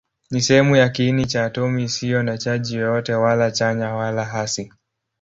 Ni sehemu ya kiini cha atomi isiyo na chaji yoyote, wala chanya wala hasi.